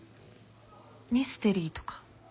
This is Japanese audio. ミステリーとか？